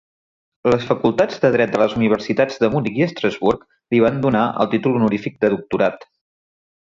Les facultats de dret de les universitats de Munic i Estrasburg li van donar el títol honorífic de doctorat.